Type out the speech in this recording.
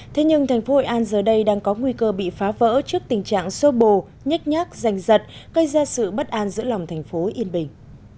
thế nhưng thành phố hội an giờ đây đang có nguy cơ bị phá vỡ trước tình trạng sô bồ nhách nhác giành giật gây ra sự bất an giữa lòng thành phố yên bình